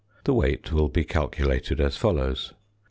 The weight will be calculated as follows: 11.